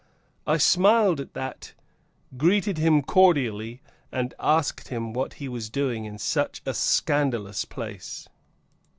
I smiled at that, greeted him cordially, and asked him what he was doing in such a scandalous place.